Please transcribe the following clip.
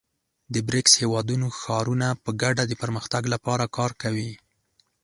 د بریکس هېوادونو ښارونه په ګډه د پرمختګ لپاره کار کوي.